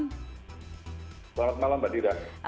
selamat malam mbak dira